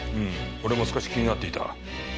俺も少し気になっていた。